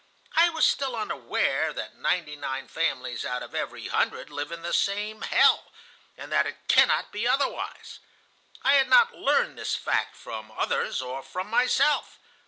I was still unaware that ninety nine families out of every hundred live in the same hell, and that it cannot be otherwise. I had not learned this fact from others or from myself.